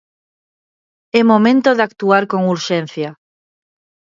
É momento de actuar con urxencia.